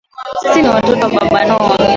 Sisi ni watoto wa Baba Noah